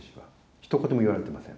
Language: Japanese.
ひと言も言われてません。